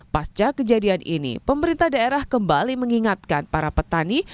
pasca kejadian ini pemerintah daerah kembali mengingatkan para petani